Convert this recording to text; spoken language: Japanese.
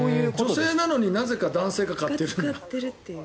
女性なのになぜか男性が買ってる。